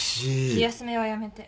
気休めはやめて。